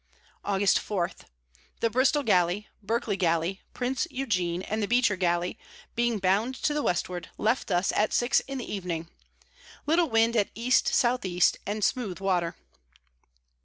Aug. 4. The Bristol Galley, Berkley Galley, Prince Eugene, and the Beecher Galley, being bound to the Westward, left us at six in the Evening; little Wind at E S E. and smooth Water.